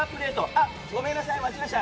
あ、ごめんなさい間違えました。